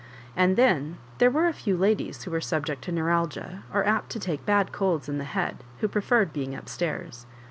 And then there were a few ladies who were subject to neuralgia, or apt to take bad colds in the head, who preferred being up stairs.